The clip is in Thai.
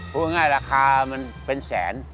พูดง่ายราคามันเป็นแสน